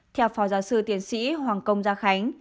theo phó giáo sư tiến sĩ hoàng công gia khánh